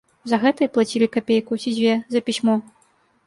За гэта і плацілі капейку ці дзве за пісьмо.